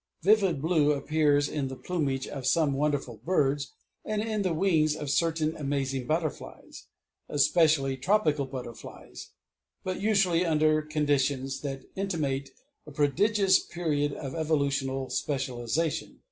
Vivid blue appears in the plumage of some wonderful birds, and on the wings of certain amazing butterflies especially tropical butterflies; but usually under conditions that intimate a prodigious period of evolutional specialization.